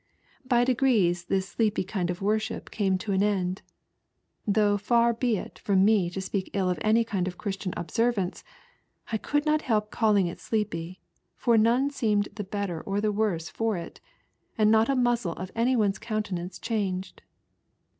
By degrees this sleepy hind of worship came to an end ; though far be it from me to speak ill of any kind of Christian observance, I cannot help caHing it sleepy, for none seemed the better or the worse for it, and not a muscle of any one's countenance changed.